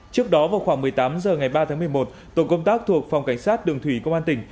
trước đó vào khoảng một mươi tám h ngày ba tháng một mươi một tổ công tác thuộc phòng cảnh sát đường thủy công an tỉnh